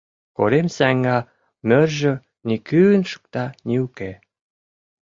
Коремсаҥга мӧржӧ ни кӱын шукта, ни уке